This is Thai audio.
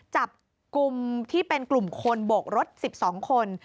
จับกลุ่มที่เป็นกลุ่มคนโบกรถ๑๒คน